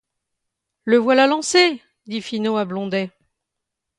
Le voilà lancé! dit Finot à Blondet.